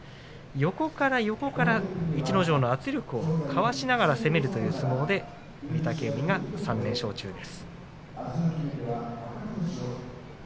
横から横から逸ノ城の圧力をかわしながら攻めるという相撲で御嶽海が３連勝中です。